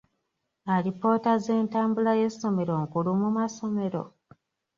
Alipoota z'entambula y'essomero nkulu mu masomero?